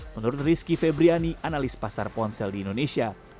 menurut rizky febriani analis pasar ponsel di indonesia